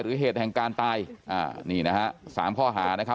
เหตุแห่งการตายอ่านี่นะฮะสามข้อหานะครับ